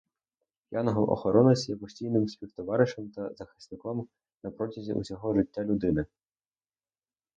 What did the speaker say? Янгол Охоронець є постійним співтоваришем та захисником на протязі усього життя людини.